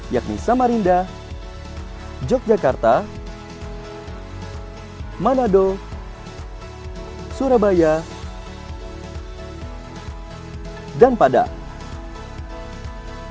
yakni samarinda yogyakarta manado surabaya dan padang